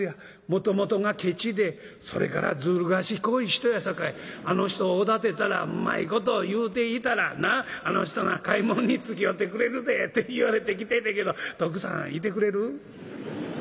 もともとがケチでそれからずる賢い人やさかいあの人をおだてたらうまいこと言うていたらあの人が買い物につきおうてくれるで』って言われて来てんねんけど徳さん行てくれる？」。